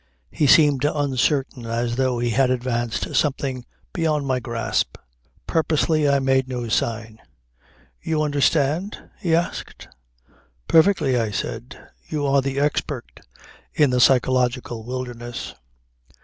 He seemed uncertain as though he had advanced something beyond my grasp. Purposely I made no sign. "You understand?" he asked. "Perfectly," I said. "You are the expert in the psychological wilderness.